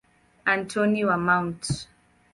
Antoni wa Mt.